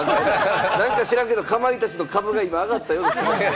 何か知らんけれど、かまいたちの株が今、上がったような感じがする。